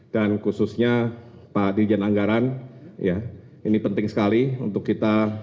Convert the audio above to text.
dan khususnya pak dirjen anggaran ini penting sekali untuk kita